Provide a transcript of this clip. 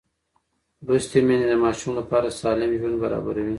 لوستې میندې د ماشوم لپاره سالم ژوند برابروي.